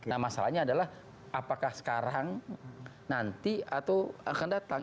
nah masalahnya adalah apakah sekarang nanti atau akan datang